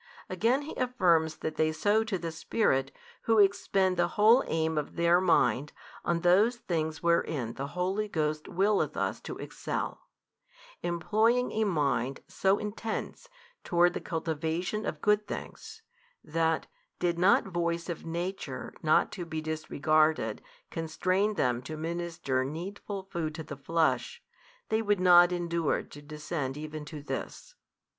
Again he affirms that they sow to the Spirit, who expend the whole aim of their mind on those things wherein the Holy Ghost willeth us to excel, employing a mind so intense toward the cultivation of good things, that, did not voice of nature not to be disregarded constrain them to minister needful food to the flesh, they would not endure to descend even to this.